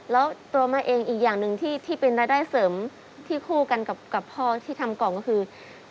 แล้วตัวแม่เองอีกอย่างหนึ่งที่เป็นรายได้เสริมที่คู่กันกับพ่อที่ทำกล่องก็คือ